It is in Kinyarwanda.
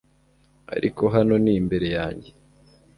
ariko hano ni imbere yanjye